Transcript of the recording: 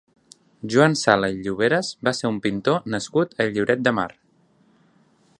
Joan Sala i Lloberas va ser un pintor nascut a Lloret de Mar.